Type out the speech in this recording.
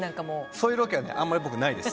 そういうロケはねあんまり僕ないです。